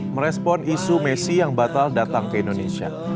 merespon isu messi yang batal datang ke indonesia